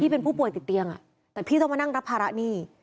เป็นผู้ป่วยติดเตียงแต่พี่ต้องมานั่งรับภาระหนี้